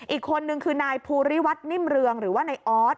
อีกคนนึงคือนายภูริวัตนิ่มเรืองหรือว่านายออส